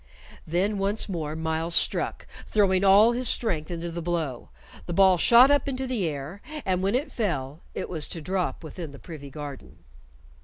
Then once more Myles struck, throwing all his strength into the blow. The ball shot up into the air, and when it fell, it was to drop within the privy garden.